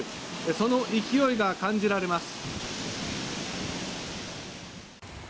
その勢いが感じられます。